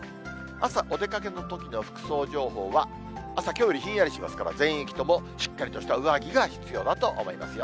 朝、お出かけのときの服装情報は、朝、きょうよりひんやりしますから、全域ともしっかりとした上着が必要だと思いますよ。